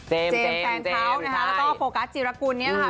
เจมส์แฟนเค้าท์แล้วก็โฟกัสจีรกุลเนี่ยค่ะ